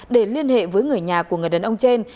để liên hệ với người nhà của người đàn ông trên